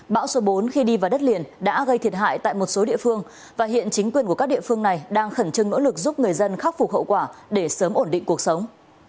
bão số bốn khi đi vào đất liền đã gây thiệt hại tại một số địa phương và hiện chính quyền của các địa phương này đang khẩn trương nỗ lực giúp người dân khắc phục hậu quả để sớm ổn định cuộc sống